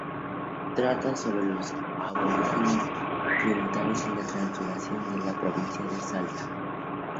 Trata sobre los aborígenes chiriguanos y su transculturación en la provincia de Salta.